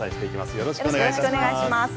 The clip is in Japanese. よろしくお願いします。